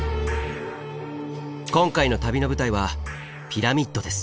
今回の旅の舞台はピラミッドです。